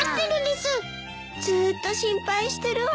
ずーっと心配してるわ。